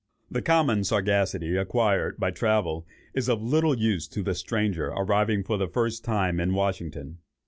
The common sagacity acquired by travel is of little use to the stranger arriving for the first time in Washington.